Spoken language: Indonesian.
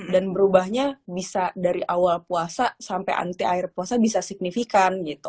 dan berubahnya bisa dari awal puasa sampai nanti akhir puasa bisa signifikan gitu